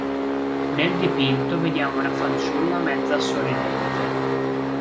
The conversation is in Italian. Nel dipinto vediamo una fanciulla mezza sorridente.